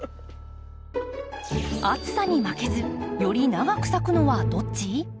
暑さに負けずより長く咲くのはどっち？